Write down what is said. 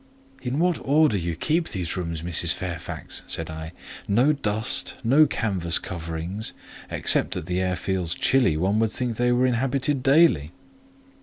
"In what order you keep these rooms, Mrs. Fairfax!" said I. "No dust, no canvas coverings: except that the air feels chilly, one would think they were inhabited daily."